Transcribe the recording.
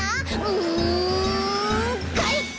うんかいか！